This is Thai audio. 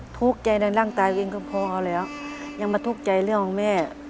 ทุกข์ใจในร่างกายเองก็พอเอาแล้วยังมาทุกข์ใจเรื่องของแม่